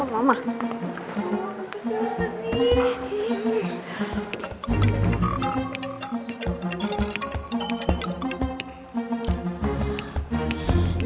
tepuk tangan siti